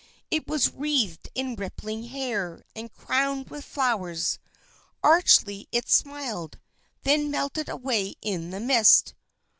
It was wreathed in rippling hair, and crowned with flowers. Archly it smiled, then melted away in the mist.